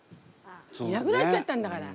いなくなっちゃったんだから。